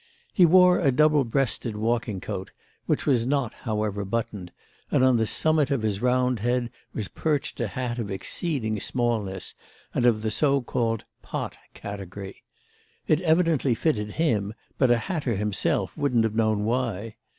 He wore a double breasted walking coat, which was not, however, buttoned, and on the summit of his round head was perched a hat of exceeding smallness and of the so called "pot" category. It evidently fitted him, but a hatter himself wouldn't have known why.